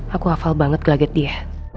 aku hafal banget glaget dia